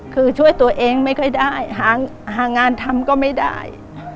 คือช่วยตัวเองไม่ค่อยได้หางานทำก็ไม่ได้